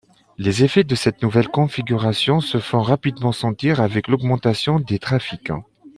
Les effets de cette nouvelle configuration se font rapidement sentir avec l'augmentation des trafics.